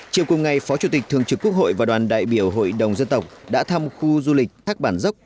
chiều cùng ngày phó chủ tịch thường trực quốc hội và đoàn đại biểu hội đồng dân tộc đã thăm khu du lịch thác bản dốc